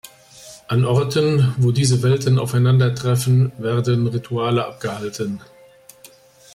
An Orten, wo diese Welten aufeinandertreffen, werden Rituale abgehalten.